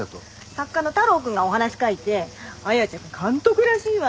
作家の太郎くんがお話書いて彩ちゃんが監督らしいわ。